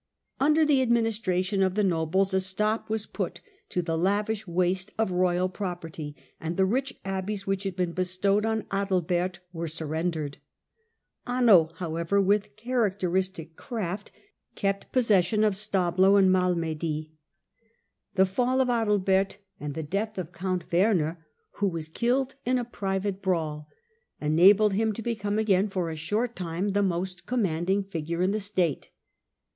Under the administration of the nobles a stop was put to the lavish waste of royal property, and the rich abbeys which had been bestowed on Adalbert were surrendered. Anno, however, with characteristic craft, kept possession of Stable and Malmedy. The fall of Digitized by VjOOQIC 72 HlLDEBRAl^D Adalbert and the death of count Werner, who was killed in a private brawl, enabled him to become again for a short time the most commanding jBgure in the state.